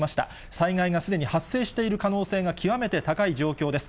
災害がすでに発生している可能性が極めて高い状況です。